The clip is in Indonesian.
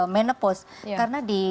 menepus karena di